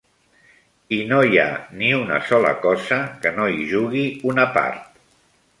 I no hi ha ni una sola cosa que no hi jugui una part.